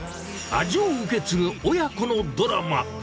味を受け継ぐ親子のドラマ。